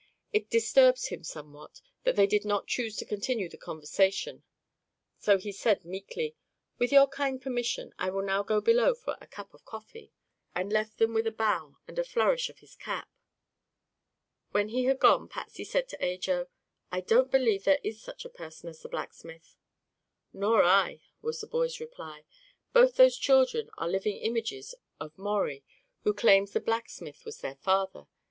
It disturbed him somewhat that they did not choose to continue the conversation, so he said meekly: "With your kind permission, I will now go below for a cup of coffee," and left them with a bow and a flourish of his cap. When he had gone Patsy said to Ajo: "I don't believe there is any such person as the blacksmith." "Nor I," was the boy's reply. "Both those children are living images of Maurie, who claims the blacksmith was their father.